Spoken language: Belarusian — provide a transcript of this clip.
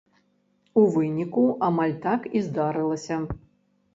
У выніку амаль так і здарылася.